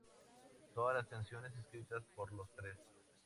Todas las canciones escritas por Los Tres.